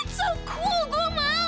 oh itu keren banget gue mau